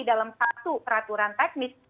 dalam satu peraturan teknis